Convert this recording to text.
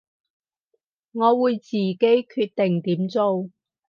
我會自己決定點做